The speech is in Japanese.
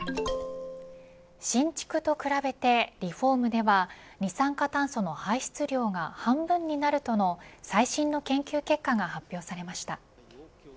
新築と比べてリフォームでは二酸化炭素の排出量が半分になるとの最新の研究結果が発表されました。